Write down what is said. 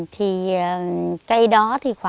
thì cây đó thì khóa